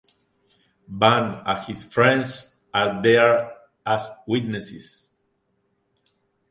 Van and his friends are there as witnesses.